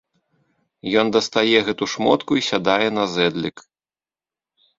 Ён дастае гэту шмотку й сядае на зэдлік.